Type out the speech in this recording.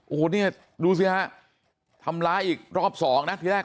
โอ้โหเนี่ยดูสิฮะทำร้ายอีกรอบสองนะทีแรก